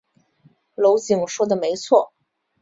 娄敬说的没错。